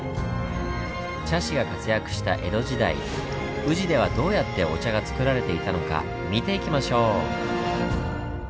茶師が活躍した江戸時代宇治ではどうやってお茶がつくられていたのか見ていきましょう。